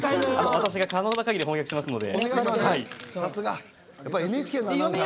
私が可能なかぎり翻訳しますので。